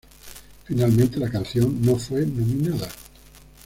Finalmente, la canción no fue nominada.